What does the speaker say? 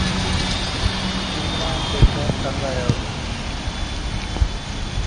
عمران بیکار تنگ آیا اوٹھی